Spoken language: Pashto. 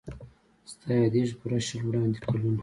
ستا یادیږي پوره شل وړاندي کلونه